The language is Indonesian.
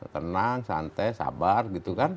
tenang santai sabar gitu kan